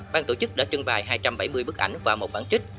ban tổ chức đã trưng bài hai trăm bảy mươi bức ảnh và một bản trích